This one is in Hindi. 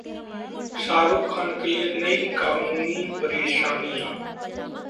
शाहरुख खान के लिए नई कानूनी परेशानियां